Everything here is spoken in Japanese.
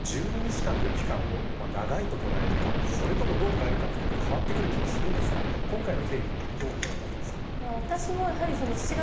金子さん、この１２日間という期間を長いと捉えるかどう捉えるかで変わってくると思いますが今回の経緯どうご覧になってますか。